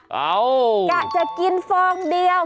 กะจะกินฟองเดียว